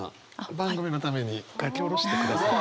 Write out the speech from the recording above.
番組のために書き下ろしてくださった。